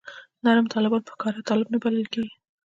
نرم طالبان په ښکاره طالب نه بلل کېږي.